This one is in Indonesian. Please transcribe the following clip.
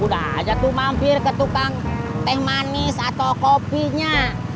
udah aja tuh mampir ke tukang teh manis atau kopinya